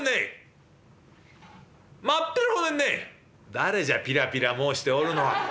「誰じゃぴらぴら申しておるのは。